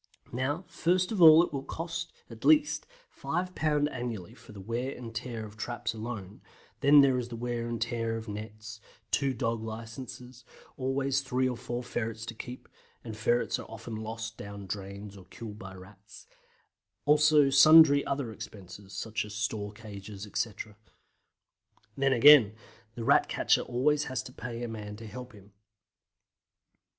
Now, first of all it will cost, at the least, 5 pounds annually for the wear and tear of traps alone, then there is the wear and tear of nets; two dog licences; always three or four ferrets to keep (and ferrets are often lost down drains or killed by Rats); also sundry other expenses, such as store cages, etc. Then, again, the Rat catcher always has to pay a man to help him.